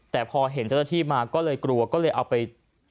แต่พอเห็นเจ้าหน้าที่มาก็เลยกลัวก็เลยเอาไป